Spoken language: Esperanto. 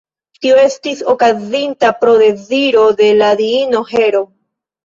Tio estis okazinta pro deziro de diino Hero.